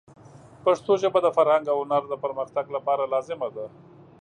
پښتو ژبه د فرهنګ او هنر د پرمختګ لپاره لازمه ده.